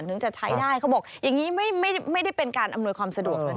ถึงจะใช้ได้เขาบอกอย่างนี้ไม่ได้เป็นการอำนวยความสะดวกเลยนะ